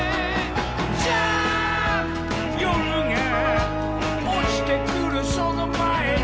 「ＪＵＭＰ夜が落ちてくるその前に」